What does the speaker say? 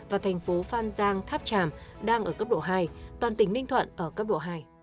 và thành phố phan giang tháp tràm đang ở cấp độ hai toàn tỉnh ninh thuận ở cấp độ hai